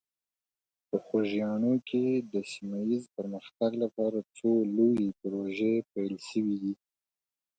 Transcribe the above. په خوږیاڼي کې د سیمه ایز پرمختګ لپاره څو لویې پروژې پیل شوي دي.